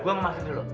gue masuk dulu